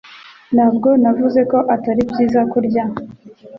Ntabwo navuze ko atari byiza kurya